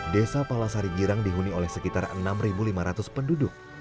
desa palasari girang dihuni oleh sekitar enam lima ratus penduduk